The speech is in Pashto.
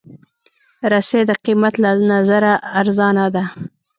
رسۍ د قېمت له نظره ارزانه ده.